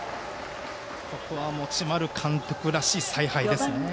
ここは持丸監督らしい采配ですね。